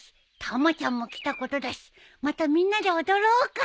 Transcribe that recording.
たまちゃんも来たことだしまたみんなで踊ろうか。